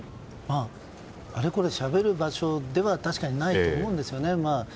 あれこれしゃべる場所では確かにないと思うんですね。